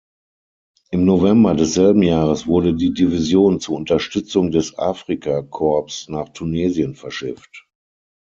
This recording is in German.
Im November desselben Jahres wurde die Division zur Unterstützung des Afrikakorps nach Tunesien verschifft.